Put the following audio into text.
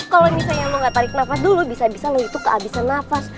kalo misalnya lu ga tarik nafas dulu bisa bisa lu itu ke abisan nafas